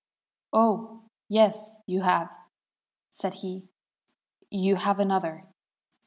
'Oh, yes, you have,' said he; 'you have another.'